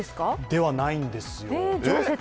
ではないんですよ。